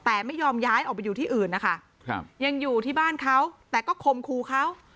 แต่ไม่ยอมย้ายออกไปอยู่ที่อื่นนะคะยังอยู่ที่บ้านเขาแต่ก็คมครูเขา